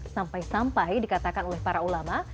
sampai sampai dikatakan oleh para ulama